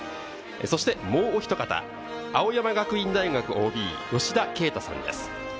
そしてもうお一方、青山学院大学ＯＢ・吉田圭太さんです。